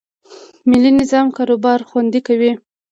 مالي نظم کاروبار خوندي کوي.